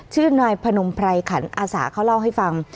ชื่อนายพนมไพรขันอาสาเขาเล่าให้ฟัง